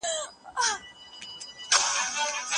د ورکړې پر وخت د ناخوښۍ څرګندولو څخه ډډه کول